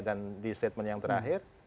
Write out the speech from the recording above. dan di statement yang terakhir